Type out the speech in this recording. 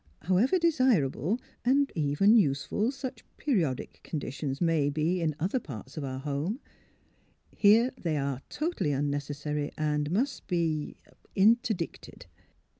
However desir able, and even useful, such periodic conditions may be in other parts of our home — here they are totally unnecessary and must be — ah — inter dicted."